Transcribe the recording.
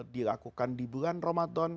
dilakukan di bulan ramadhan